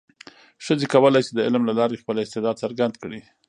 ښځې کولای شي د علم له لارې خپل استعداد څرګند کړي.